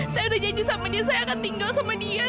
saya udah janji sama dia saya akan tinggal sama dia